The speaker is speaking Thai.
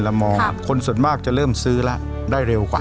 มองคนส่วนมากจะเริ่มซื้อแล้วได้เร็วกว่า